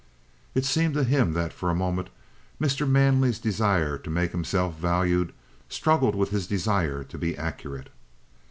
It seemed to him that for a moment Mr. Manley's desire to make himself valued struggled with his desire to be accurate.